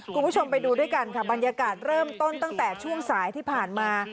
คุณผู้ชมไปดูด้วยกันค่ะบรรยากาศเริ่มต้นตั้งแต่ช่วงสายที่ผ่านมา